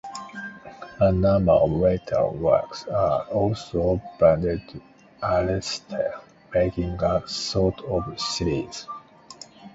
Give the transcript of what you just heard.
A number of later works are also branded "Aleste", making a sort of series.